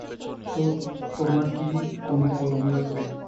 তো, তোমার কি কোনো কলম লাগবে?